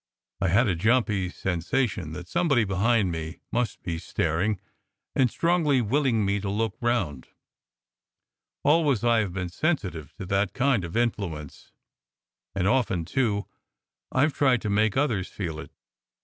I had a jumpy sensation that somebody behind me must be staring, and strongly willing me to look round. Always I have been sensitive to that kind of influence, and often, too, I ve tried to make others feel it.